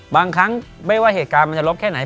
บางครั้งไม่ว่าเหตุการณ์มันจะลบแค่ไหน